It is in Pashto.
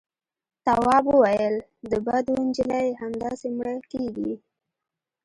تواب وويل: د بدو نجلۍ همداسې مړه کېږي.